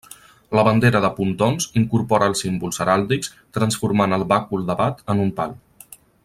La bandera de Pontons incorpora els símbols heràldics, transformant el bàcul d'abat en un pal.